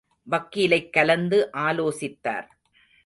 வக்கீலைக் கலந்து ஆலோசித்தார்.